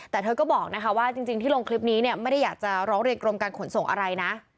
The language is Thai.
แต่เธอก็บอกนะคะว่าจริงที่ลงคลิปนี้เนี่ยไม่ได้อยากจะร้องเรียนกรมการขนส่งอะไรนะ